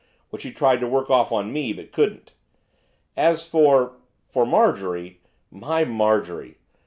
which he tried to work off on me, but couldn't. As for for Marjorie my Marjorie!